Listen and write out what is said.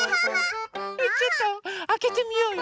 ⁉ちょっとあけてみようよ。